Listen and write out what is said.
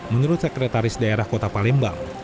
menurut sekretaris daerah kota palembang